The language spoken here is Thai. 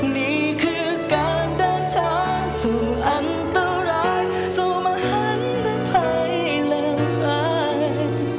นี่คือการเดินทางสู่อันตรายสู่มหันด้วยภัยแรง